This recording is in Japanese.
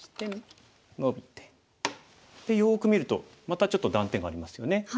よく見るとまたちょっと断点がありますよね。